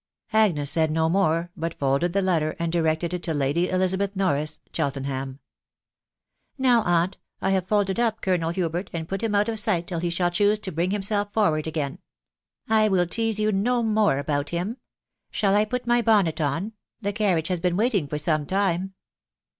Agnes said no more, but folded the letter, and directed it to Lady Elizabeth Norris, Cheltenham. " Now, aunt, I have folded up Colonel Hubert, and put him out of sight till he shall choose to bring himself forward again. .... I will tease you no more about him. •.. Shall I put my bonnet on? .... The carriage has been waiting for some time."